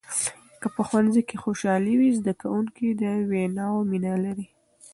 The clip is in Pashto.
که په ښوونځي کې خوشحالي وي، زده کوونکي د ویناوو مینه لري.